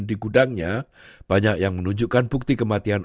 di gudangnya banyak yang menunjukkan bukti kematian